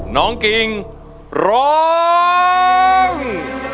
น้องกิ่งร้อง